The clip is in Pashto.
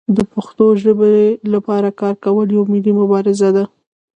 د پښتو ژبې لپاره کار کول یوه ملي مبارزه ده.